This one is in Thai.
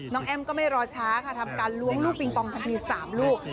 แอ้มก็ไม่รอช้าค่ะทำการล้วงลูกปิงปองทันที๓ลูก